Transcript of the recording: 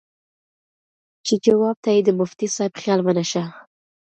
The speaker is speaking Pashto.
چې جواب ته ئې د مفتي صېب خيال ونۀ شۀ